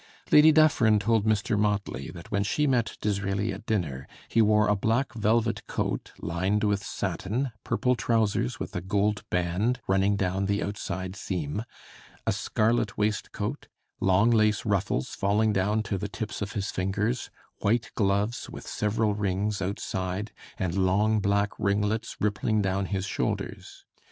Lady Dufferin told Mr. Motley that when she met Disraeli at dinner, he wore a black velvet coat lined with satin, purple trousers with a gold band running down the outside seam, a scarlet waistcoat, long lace ruffles falling down to the tips of his fingers, white gloves with several rings outside, and long black ringlets rippling down his shoulders.